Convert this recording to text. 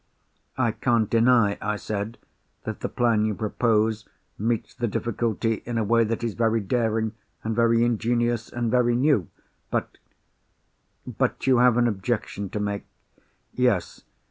"I can't deny," I said, "that the plan you propose meets the difficulty in a way that is very daring, and very ingenious, and very new. But——" "But you have an objection to make?" "Yes.